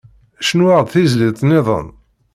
Cnu-aɣ-d tizlit-nniḍen.